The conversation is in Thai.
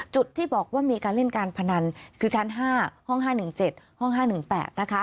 ที่บอกว่ามีการเล่นการพนันคือชั้น๕ห้อง๕๑๗ห้อง๕๑๘นะคะ